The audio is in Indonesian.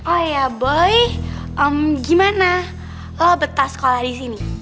oh ya boy gimana lo beta sekolah di sini